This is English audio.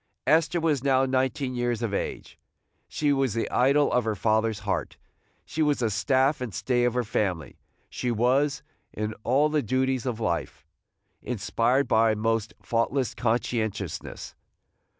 Esther was now nineteen years of age; she was the idol of her father's heart; she was the staff and stay of her family; she was, in all the duties of life, inspired by a most faultless conscientiousness.